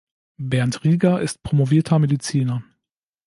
Berndt Rieger ist promovierter Mediziner.